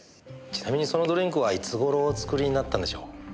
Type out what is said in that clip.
ちなみにそのドリンクはいつ頃お作りになったんでしょう？